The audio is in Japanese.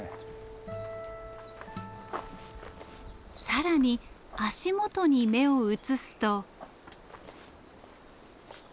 更に足元に目を移すと。